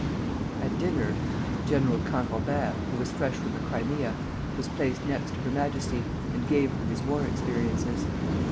At dinner General Canrobert, who was fresh from the Crimea, was placed next to her Majesty, and gave her his war experiences.